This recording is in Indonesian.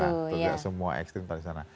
tidak semua ekstrim tampil di sana